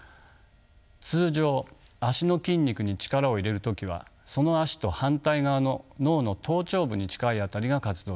通常脚の筋肉に力を入れる時はその脚と反対側の脳の頭頂部に近い辺りが活動します。